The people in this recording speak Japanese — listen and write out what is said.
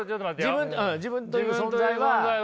自分自分という存在は？